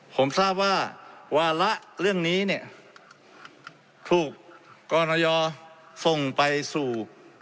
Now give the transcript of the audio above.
ผมทราบว่าวาระเรื่องนี้เนี่ยถูกกรณยอส่งไปสู่